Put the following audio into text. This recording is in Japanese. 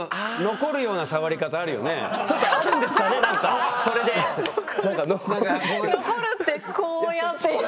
残るってこうやって。